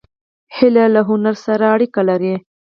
هیلۍ له هنر سره اړیکه لري